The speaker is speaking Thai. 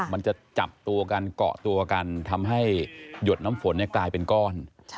มันจะจับตัวกันเกาะตัวกันทำให้หยดน้ำฝนกลายเป็นก้อน